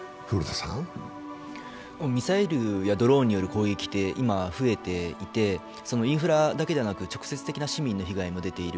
ミサイルやドローンによる攻撃が今増えていてインフラだけではなく直接的な市民の被害も出ている。